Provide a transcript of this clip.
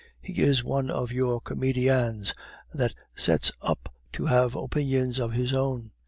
He is one of your comedians that sets up to have opinions of his own.